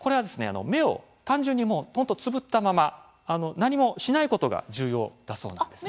目を単純につぶったまま何もしないことが重要だそうです。